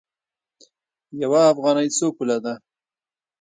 یوه افغانۍ څو پوله ده؟